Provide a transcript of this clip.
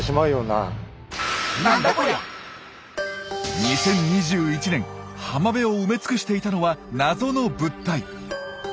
２０２１年浜辺を埋め尽くしていたのはナゾの物体。